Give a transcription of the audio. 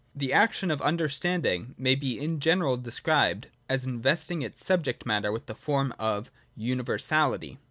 The action of Understanding may be in general described as investing its subject matter with the form of universality.